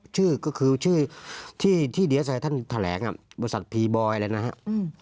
ชื่อก็คือชื่อที่ที่เดี๋ยวใส่ท่านแถลงอ่ะบริษัทพีบอยแล้วนะฮะอืม